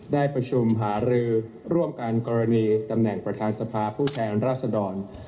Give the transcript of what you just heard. ได้ประชุมหารือร่วมกันกรณีตำแหน่งประธานสภาผู้แทนราษดร